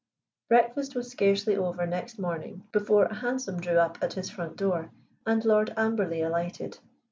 Breakfast was scarcely over next morning before a hansom drew up at his front door and Lord Amberley alighted.